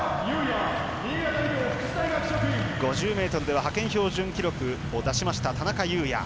５０ｍでは派遣標準記録を出しました、田中優弥。